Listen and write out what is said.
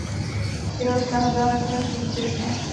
Jeho snaha byla nakonec úspěšná.